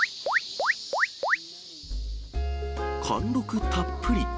貫禄たっぷり。